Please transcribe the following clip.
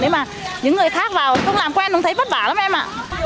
nếu mà những người khác vào không làm quen cũng thấy vất vả lắm em ạ